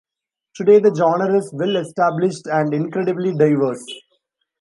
Today, the genre is well established and incredibly diverse.